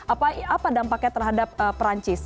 apa dampaknya terhadap perancis